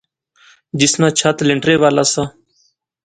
جس ناں چھت لینٹرے والا سا